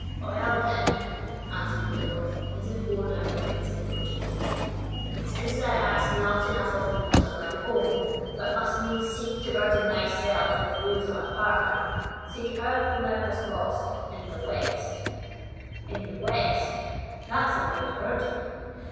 "Well, then," answered the Dwarf, as if worn out by his importunity, "since thou hast not enough of woes of thine own, but must needs seek to burden thyself with those of a partner, seek her whom thou hast lost in the WEST." "In the WEST? That's a wide word."